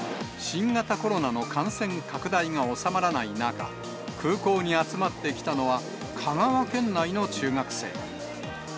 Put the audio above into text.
新型コロナの感染拡大が収まらない中、空港に集まってきたのは、香川県内の中学生。